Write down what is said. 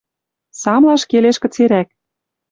Самлаш келеш кыцерӓк.